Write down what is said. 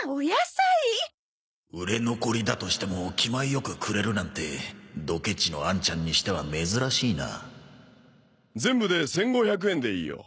売れ残りだとしても気前良くくれるなんてドケチのあんちゃんにしては珍しいな全部で１５００円でいいよ。